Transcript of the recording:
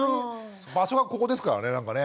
場所がここですからねなんかね。